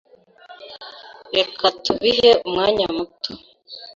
Reka tubihe umwanya muto.